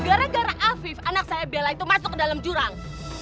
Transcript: gara gara afif anak saya bela itu masuk ke dalam jurang